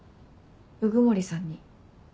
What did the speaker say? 鵜久森さんに？